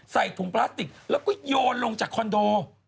ใส่ถุงพลาสติกแล้วก็โยนลงจากคอนโด